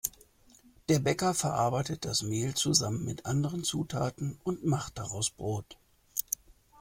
Der Bäcker verarbeitet das Mehl zusammen mit anderen Zutaten und macht daraus Brot.